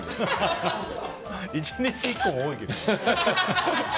１日１個も多いけどね。